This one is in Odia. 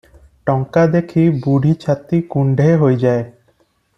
ଟଙ୍କା ଦେଖି ବୁଢ଼ୀ ଛାତି କୁଣ୍ଢେ ହୋଇଯାଏ ।